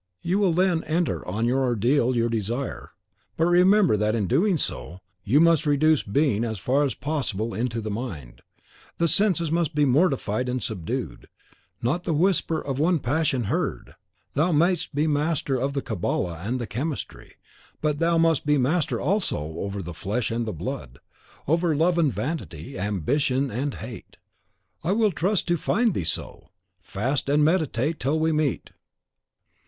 You will then enter on the ordeal you desire, but remember that, in doing so, you must reduce Being as far as possible into Mind. The senses must be mortified and subdued, not the whisper of one passion heard. Thou mayst be master of the Cabala and the Chemistry; but thou must be master also over the Flesh and the Blood, over Love and Vanity, Ambition and Hate. I will trust to find thee so. Fast and meditate till we meet!"